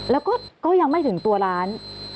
แล้วก็ยังไม่ถึงตัวร้าน